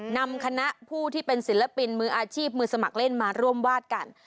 นำคณะผู้ที่เป็นศิลปินมืออาชีพมือสมัครเล่นมาร่วมวาดกัน